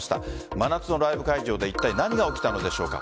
真夏のライブ会場でいったい何が起きたのでしょうか。